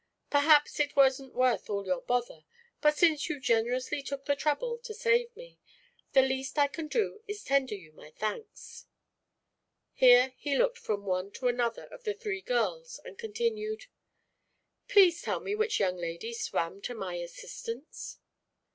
Perhaps it wasn't worth all your bother, but since you generously took the trouble to save me, the least I can do is to tender you my thanks." Here he looked from one to another of the three girls and continued: "Please tell me which young lady swam to my assistance."